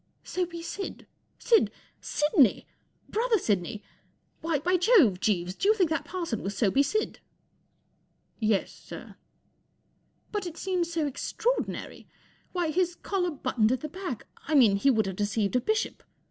4 Soapy Sid ? Sid ! Sidney! Brother Sidney ! Why, by Jove, Jeeves, do you think that parson was Soapy Sid ?"" Yes, sir." 44 But it seems so extraordinary. Why, his collar buttoned at the back—I mean, he would have deceived a bishop.